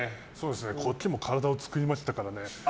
こっちも体を作りましたからね。